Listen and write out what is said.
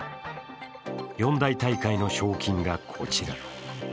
四大大会の賞金がこちら。